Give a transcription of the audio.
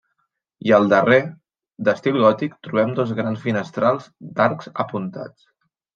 I al darrer, d'estil gòtic trobem dos grans finestrals d'arcs apuntats.